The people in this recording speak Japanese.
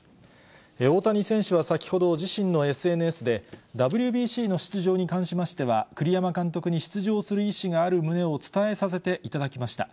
大谷選手は先ほど、自身のＳＮＳで、ＷＢＣの出場に関しましては、栗山監督に出場する意思がある旨を伝えさせていただきました。